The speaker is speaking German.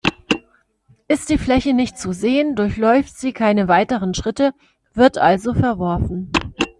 Ist die Fläche nicht zu sehen, durchläuft sie keine weiteren Schritte, wird also verworfen.